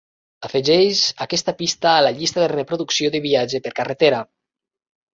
afegeix aquesta pista a la llista de reproducció de viatge per carretera